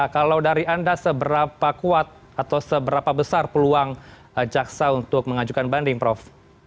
kalau dari anda seberapa kuat atau seberapa besar peluang jaksa untuk mengajukan banding prof